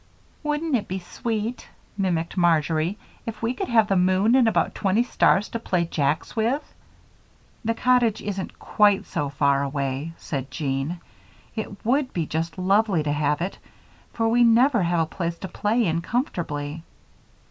"Wouldn't it be sweet," mimicked Marjory, "if we could have the moon and about twenty stars to play jacks with?" "The cottage isn't quite so far away," said Jean. "It would be just lovely to have it, for we never have a place to play in comfortably."